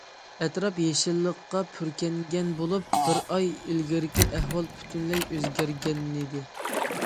ئەتراپ يېشىللىققا پۈركەنگەن بولۇپ، بىر ئاي ئىلگىرىكى ئەھۋال پۈتۈنلەي ئۆزگەرگەنىدى.